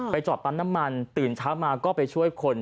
จอดปั๊มน้ำมันตื่นเช้ามาก็ไปช่วยคน